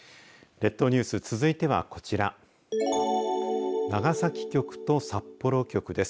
列島ニュース、続いてはこちら長崎局と札幌局です。